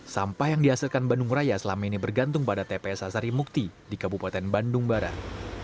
sampah yang dihasilkan bandung raya selama ini bergantung pada tpsa sarimukti di kabupaten bandung barat